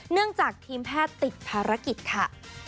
เนื่องจากทีมแพทย์ติดภารกิจค่ะ